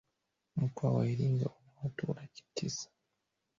mkoa wa iringa una watu laki tisa